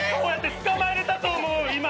つかまえれたと思う今。